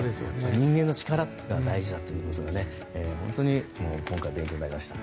人間の力が大事だということが本当に今回、勉強になりました。